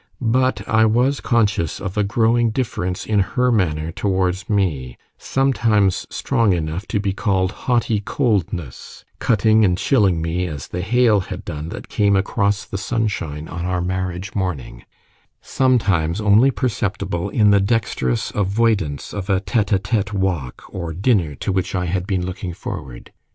But I was conscious of a growing difference in her manner towards me; sometimes strong enough to be called haughty coldness, cutting and chilling me as the hail had done that came across the sunshine on our marriage morning; sometimes only perceptible in the dexterous avoidance of a tete a tete walk or dinner to which I had been looking forward.